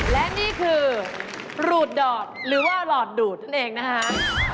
และนี่คือรูดอดหรือว่าหลอดดูดนั่นเองนะฮะ